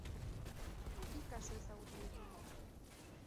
Bi kasu ezagutu ditugu.